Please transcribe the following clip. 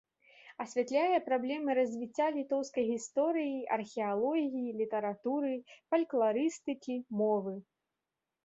Асвятляе праблемы развіцця літоўскай гісторыі, археалогіі, літаратуры, фалькларыстыкі, мовы.